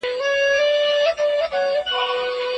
خاوره په کوهي کې د توېدو پر مهال یو ځانګړی اواز کاوه.